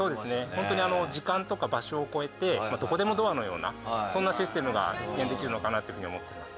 ホントにあの時間とか場所を超えて「どこでもドア」のようなそんなシステムが実現できるのかなっていうふうに思ってます